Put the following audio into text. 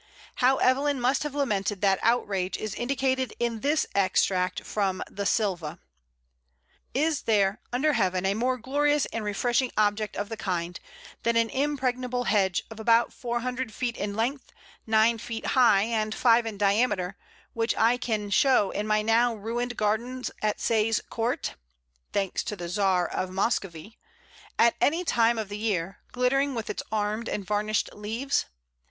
How Evelyn must have lamented that outrage is indicated in this extract from the "Sylva": "Is there under heaven a more glorious and refreshing object of the kind, than an impregnable hedge of about four hundred feet in length, nine feet high, and five in diameter, which I can show in my now ruined gardens at Say's Court (thanks to the Czar of Moscovy) at any time of the year, glittering with its armed and varnished leaves?